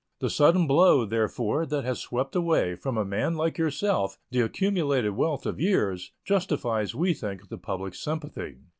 The sudden blow, therefore, that has swept away, from a man like yourself, the accumulated wealth of years, justifies we think, the public sympathy.